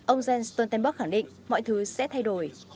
ông jens stoltenberg khẳng định mọi thứ sẽ thay đổi